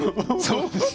そうですね。